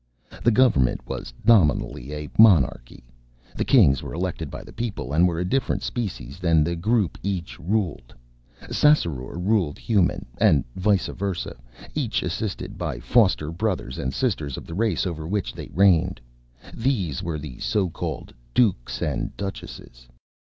The government was, nominally, a monarchy. The Kings were elected by the people and were a different species than the group each ruled. Ssassaror ruled Human, and vice versa, each assisted by foster brothers and sisters of the race over which they reigned. These were the so called Dukes and Duchesses.